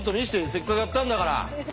せっかくやったんだから。